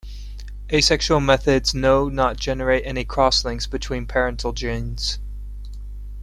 Asexual methods no not generate any cross links between parental genes.